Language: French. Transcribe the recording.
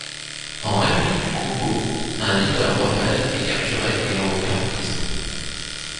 En république du Congo, un leader rebelle est capturé et envoyé en prison.